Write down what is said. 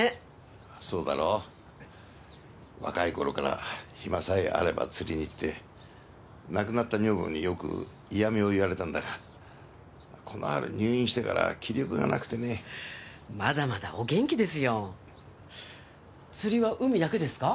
そうだろう若い頃から暇さえあれば釣りに行って亡くなった女房によく嫌みを言われたんだがこの春入院してから気力がなくてねまだまだお元気ですよ釣りは海だけですか？